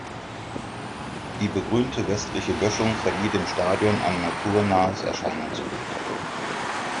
Die begrünte westliche Böschung verlieh dem Stadion ein naturnahes Erscheinungsbild.